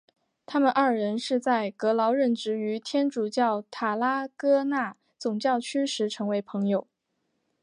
他们二人是在格劳任职于天主教塔拉戈纳总教区时成为朋友。